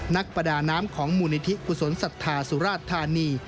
นักประดาน้ำของมูลนิธิกุศลศรัทธาสุราชธานี